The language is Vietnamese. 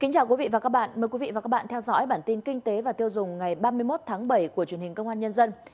chào mừng quý vị đến với bản tin kinh tế và tiêu dùng ngày ba mươi một tháng bảy của truyền hình công an nhân dân